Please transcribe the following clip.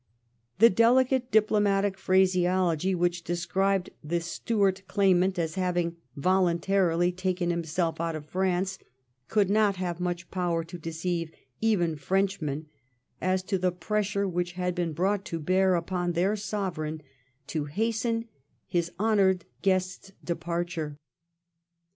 The delicate diplomatic phraseology which described the Stuart claimant as having voluntarily taken himself out of France could not have much power to deceive even Frenchmen as to the pressure which had been brought to bear upon their Sovereign to hasten his honoured guest's departure.